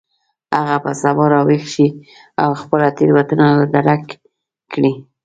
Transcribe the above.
هغه به سبا راویښ شي او خپله تیروتنه به درک کړي